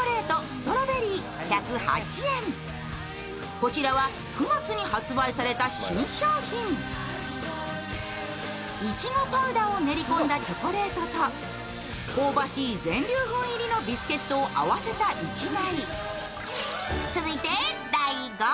こちらは９月に発売された新商品いちごパウダーを練り込んだチョコレートと香ばしい全粒粉入りのビスケットを合わせた１枚。